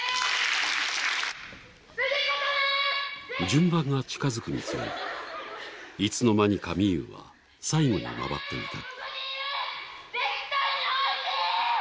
順番が近づくにつれいつの間にかみゆうは最後に回っていた。